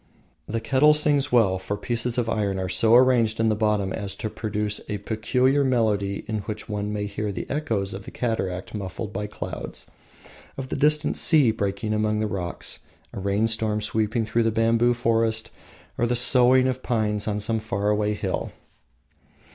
The kettle sings well, for pieces of iron are so arranged in the bottom as to produce a peculiar melody in which one may hear the echoes of a cataract muffled by clouds, of a distant sea breaking among the rocks, a rainstorm sweeping through a bamboo forest, or of the soughing of pines on some faraway hill.